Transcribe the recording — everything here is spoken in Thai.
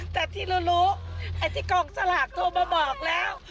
แต่ที่เรารู้ไอ้ที่กองสลากโทรมาบอกแล้ว